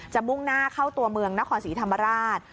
มุ่งหน้าเข้าตัวเมืองนครศรีธรรมราช